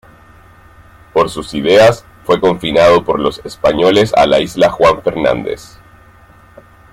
Por sus ideas, fue confinado por los españoles a la Isla Juan Fernández.